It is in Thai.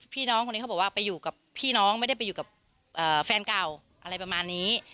พี่น้องคนนี้เขาบอกว่าไปอยู่กับพี่น้องไม่ได้ไปอยู่กับแฟนเก่าอะไรประมาณนี้